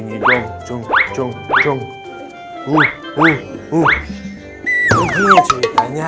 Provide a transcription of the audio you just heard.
ngejok jok jok uh uh uh uh oh ini ceritanya